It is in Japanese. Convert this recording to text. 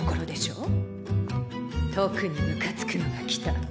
特にムカつくのが来た。